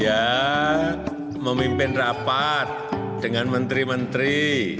ya memimpin rapat dengan menteri menteri